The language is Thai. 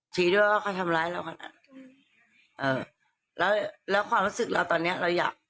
ด้วยว่าเขาทำร้ายเราขนาดเอ่อแล้วแล้วความรู้สึกเราตอนเนี้ยเราอยาก